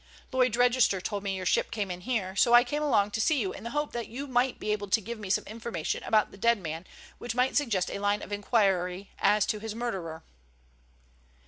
Lloyd's Register told me your ship came in here, so I came along to see you in the hope that you might be able to give me some information about the dead man which might suggest a line of inquiry as to his murderer."